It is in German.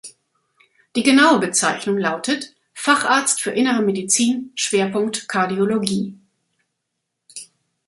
Die genaue Bezeichnung lautet "Facharzt für Innere Medizin Schwerpunkt Kardiologie".